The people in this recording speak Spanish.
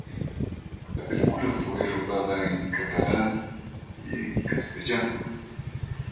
La película fue rodada en catalán y en castellano.